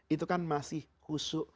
itu kan masih husu